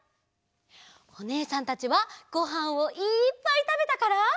おねえさんたちはごはんをいっぱいたべたから。